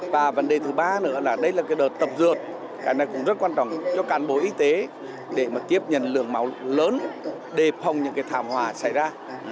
và vấn đề thứ ba nữa là đây là đợt tập dượt cái này cũng rất quan trọng cho cán bộ y tế để kiếp nhận lượng máu lớn đề phòng những thảm hòa xảy ra